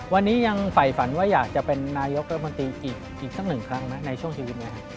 วันนี้ยังฝ่ายฝันว่าอยากจะเป็นนายกรัฐมนตรีอีกสักหนึ่งครั้งไหมในช่วงชีวิตไหมครับ